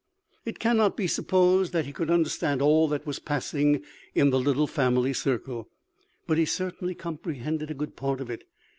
"It cannot be supposed that he could understand all that was passing in the little family circle, but he certainly comprehended a good part of it.